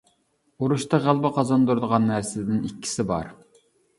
ئۇرۇشتا غەلىبە قازاندۇرىدىغان نەرسىدىن ئىككىسى بار.